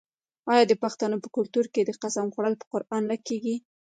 آیا د پښتنو په کلتور کې د قسم خوړل په قران نه کیږي؟